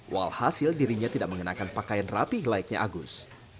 walhasil dirinya tidak mengenakan pakaian rapi layaknya agus